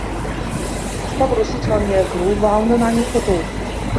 الصَّبْرُ سِتْرٌ مِنْ الْكُرُوبِ وَعَوْنٌ عَلَى الْخُطُوبِ